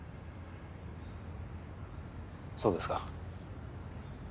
そうですか。